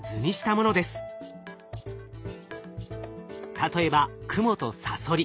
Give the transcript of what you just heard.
例えばクモとサソリ。